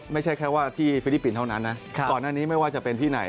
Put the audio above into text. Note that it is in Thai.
ไม่ใช่แค่ว่าที่ฟิลิปปินส์เท่านั้นนะก่อนหน้านี้ไม่ว่าจะเป็นที่ไหน